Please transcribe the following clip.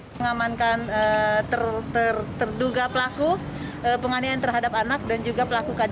mengamankan terduga pelaku penganian terhadap anak dan juga pelaku kd